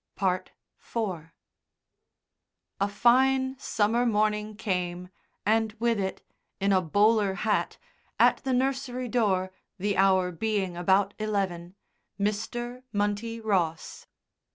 IV A fine summer morning came, and with it, in a bowler hat, at the nursery door, the hour being about eleven, Mr. Munty Boss.